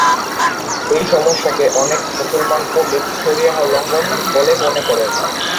এই সমস্যাকে অনেক মুসলমান পণ্ডিত শরীয়াহ লঙ্ঘন বলে মনে করে।